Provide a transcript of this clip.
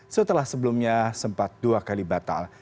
setelah sebelumnya sempat dua kali batal